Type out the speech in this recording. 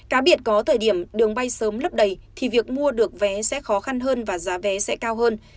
cá biệt có thời điểm đường bay sớm lấp đầy thì việc mua được vé sẽ khó khăn hơn và giá vé sẽ cao hơn